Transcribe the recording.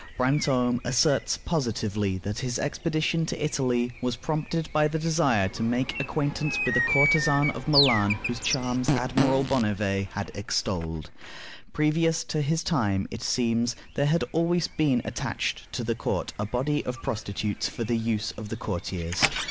Brantome asserts positively that his expedition to Italy was prompted by the desire to make acquaintance with a courtesan of Milan whose charms Admiral Bonnivet had extolled. Previous to his time, it seems, there had always been attached to the court a body of prostitutes for the use of the courtiers.